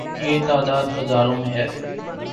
یہ تعداد ہزاروں میں ہے۔